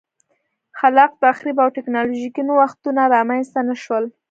خلاق تخریب او ټکنالوژیکي نوښتونه رامنځته نه شول